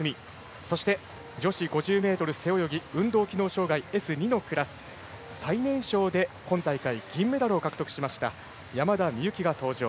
そして、女子５０ｍ背泳ぎ運動機能障がいＳ２のクラス最年少で今大会銀メダルを獲得しました山田美幸が登場。